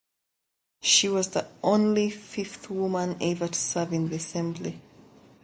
She was only the fifth woman ever to serve in the assembly.